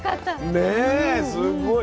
ねすごい。